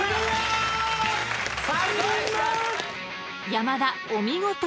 ［山田お見事！］